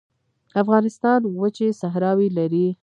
افغانستان وچې صحراوې لري